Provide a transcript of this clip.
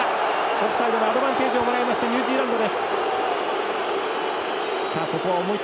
オフサイドのアドバンテージをもらいました、ニュージーランド。